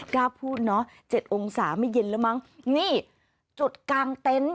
กล้าพูดเนอะเจ็ดองศาไม่เย็นแล้วมั้งนี่จุดกลางเต็นต์